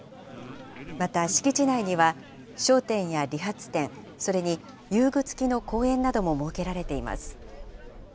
また敷地内には、商店や理髪店、それに遊具つきの公園なども設けられています。